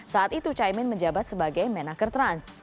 saat itu caimin menjabat sebagai menaker trans